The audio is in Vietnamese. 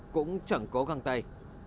cũng chẳng có găng tay